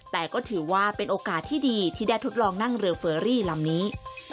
แต่ก็ถือว่าเป็นโอกาสที่ดีที่ได้ทดลองนั่งเรือเฟอรี่ลำนี้